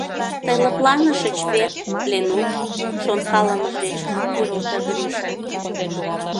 — Тый лыпланышыч вет, Ленук? — шонкалымыж деч кӱрылтӧ Гриша.